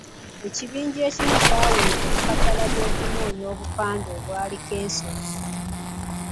Ekibinja ekimu kyaweebwa ekkatala ly’okunoonya obupande obwaliko ensobi.